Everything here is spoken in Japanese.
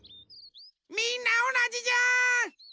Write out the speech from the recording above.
みんなおなじじゃん！